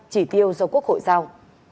chỉ tiêu do quốc hội giao